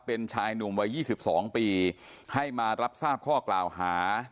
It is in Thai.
เป็นชายหนุ่มวัย๒๒ปีให้มารับทราบข้อกล่าวหา